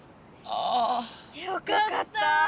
よかった！